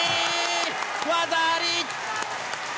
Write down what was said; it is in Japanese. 技あり！